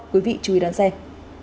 quý vị chú ý đón xem